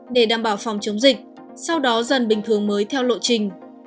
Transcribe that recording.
để đảm bảo phòng chống dịch sau đó dần bình thường mới theo lộ trình